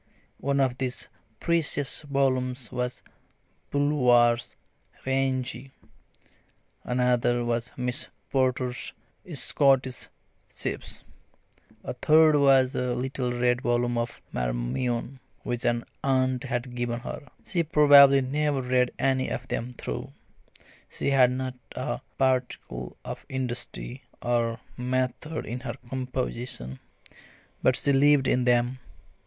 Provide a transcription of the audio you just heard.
One of these precious volumes was Bulwer's "Rienzi"; another was Miss Porter's "Scottish Chiefs"; a third was a little red volume of "Marmion" which an aunt had given her. She probably never read any of them through she had not a particle of industry or method in her composition but she lived in them.